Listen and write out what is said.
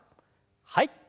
はい。